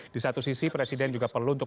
di satu sisi presiden juga perlu untuk